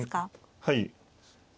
はい。